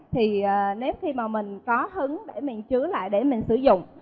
thì nếu khi mà mình có hứng để mình chứa lại để mình sử dụng